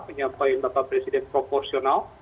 penyampaian bapak presiden proporsional